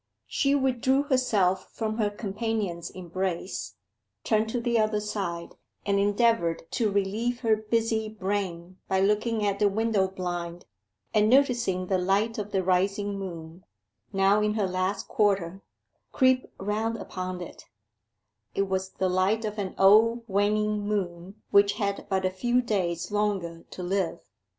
She withdrew herself from her companion's embrace, turned to the other side, and endeavoured to relieve her busy brain by looking at the window blind, and noticing the light of the rising moon now in her last quarter creep round upon it: it was the light of an old waning moon which had but a few days longer to live.